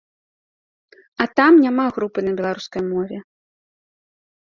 А там няма групы на беларускай мове!